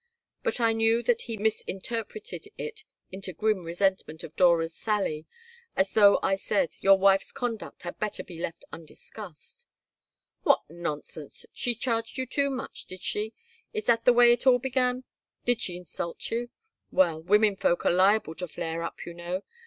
But I knew that he misinterpreted it into grim resentment of Dora's sally, as though I said, "Your wife's conduct had better be left undiscussed." "What nonsense! She charged you too much, did she? Is that the way it all began? Did she insult you? Well, women folk are liable to flare up, you know.